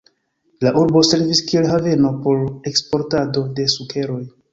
La urbo servis kiel haveno por eksportado de sukeroj.